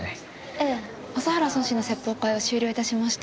ええ麻原尊師の説法会は終了いたしました。